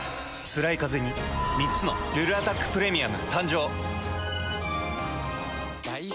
つらいカゼに３つの「ルルアタックプレミアム」誕生。